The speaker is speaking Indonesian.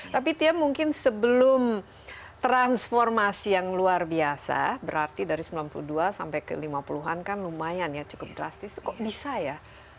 tapi tia mungkin sebelum transformasi yang luar biasa berarti dari sembilan puluh dua sampai ke lima puluh an kan lumayan ya cukup drastis kok bisa ya